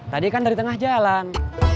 dua puluh ribu kan dari pangkalan